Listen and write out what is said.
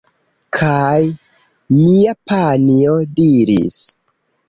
Kaj mia panjo diris: